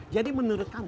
jadi menurut kamu